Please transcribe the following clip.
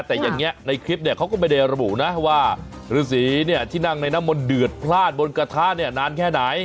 แต่อย่างนี้ในคลิปเนี่ยเขาก็ไม่ได้ระบุนะว่าฤษีเนี่ยที่นั่งในน้ำมนต์เดือดพลาดบนกระทะเนี่ยนานแค่ไหน